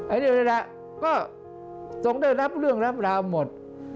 อันนี้แหละก็ทรงได้รับเรื่องรับราวหมด